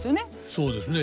そうですね。